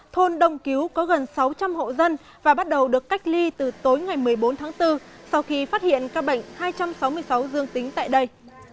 thôn đông cứu có gần sáu trăm linh hộ dân và bắt đầu được cách ly từ tối ngày một mươi bốn tháng bốn sau khi phát hiện các bệnh hai trăm sáu mươi sáu dương tính tại đây